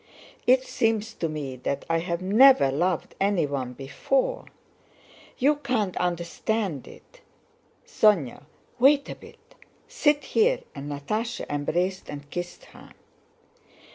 It seems to me that I have never loved anyone before. You can't understand it.... Sónya, wait a bit, sit here," and Natásha embraced and kissed her.